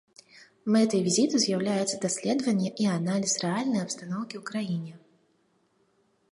Мэтай візіту з'яўляецца даследаванне і аналіз рэальнай абстаноўкі ў краіне.